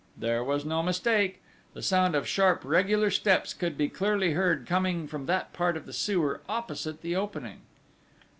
There was no mistake! The sound of sharp regular steps could be clearly heard coming from that part of the sewer opposite the opening.